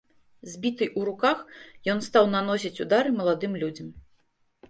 З бітай у руках ён стаў наносіць удары маладым людзям.